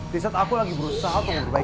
di saat aku lagi berusaha untuk berbaik